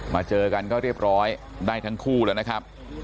เจอกันก็เรียบร้อยได้ทั้งคู่แล้วนะครับ